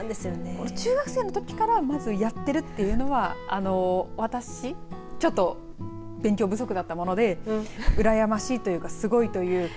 中学生のときからまずやってるというのは私ちょっと勉強不足だったものでうらやましいというかすごいというか。